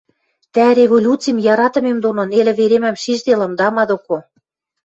тӓ революцим яратымем доно нелӹ веремӓм шижделам, тама доко...